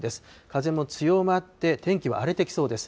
風も強まって、天気は荒れてきそうです。